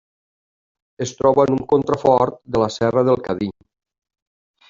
Es troba en un contrafort de la serra del Cadí.